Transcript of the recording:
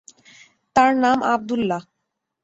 তার নাম আবদুল্লাহ।